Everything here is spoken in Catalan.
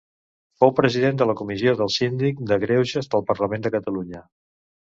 Fou president de la comissió del Síndic de Greuges del Parlament de Catalunya.